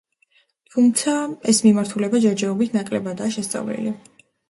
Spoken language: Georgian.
თუმცა, ეს მიმართულება ჯერჯერობით ნაკლებადაა შესწავლილი.